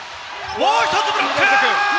もう１つブロック！